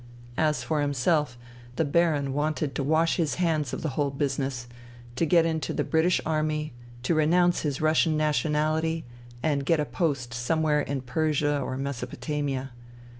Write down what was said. As for himself, the Baron wanted to wash his hands of the whole business, to get into the British Army, to renounce his Russian nationality, and get a post somewhere in Persia or Mesopotamia.